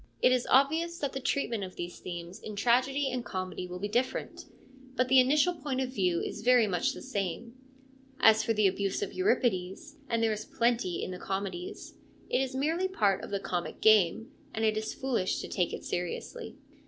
It is obvious that the treatment of these themes in tragedy and comedy will be different ; but the initial point of view is very much the same. As for the abuse of Euripides, and there is plenty in the comedies, it is merely part of the comic game, and it is foolish to take it seriously.